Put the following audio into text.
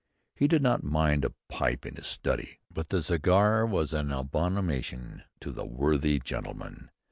He did not mind a pipe in his study, but the cigar was an abomination to the worthy gentleman."